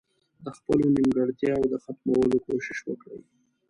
د خپلو نيمګړتياوو د ختمولو کوشش وکړي.